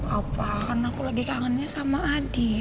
apaan aku lagi kangennya sama adi